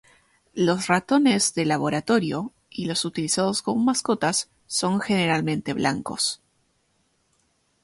Los ratones de laboratorio y los utilizados como mascotas son generalmente blancos.